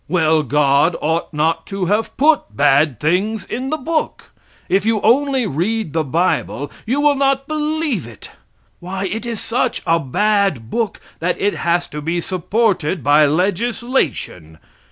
Well, God ought not to have put bad things in the book. If you only read the bible you will not believe it. Why, it is such a bad book that it has to be supported by legislation.